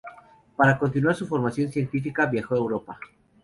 Para continuar su formación científica viajó a Europa.